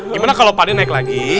gimana kalau pak d naik lagi